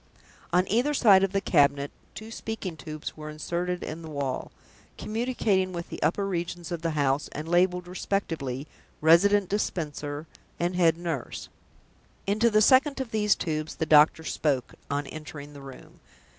On either side of the cabinet two speaking tubes were inserted in the wall, communicating with the upper regions of the house, and labeled respectively "Resident Dispenser" and "Head Nurse." Into the second of these tubes the doctor spoke, on entering the room.